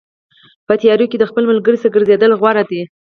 په تیارو کې د خپل ملګري سره ګرځېدل غوره دي.